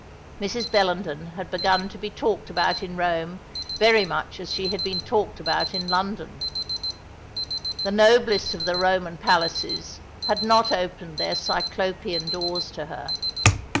Mrs. Bellenden had begun to be talked about in Rome very much as she had been talked about in London. The noblest of the Roman palaces had not opened their Cyclopean doors to her.